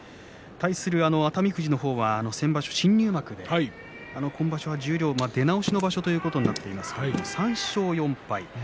対する熱海富士の方は先場所、新入幕で今場所十両での星の場所ということになっていますが３勝４敗です。